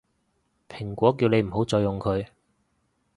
蘋果叫你唔好再用佢